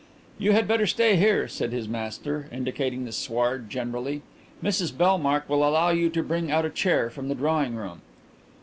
"You had better stay here," said his master, indicating the sward generally. "Mrs Bellmark will allow you to bring out a chair from the drawing room."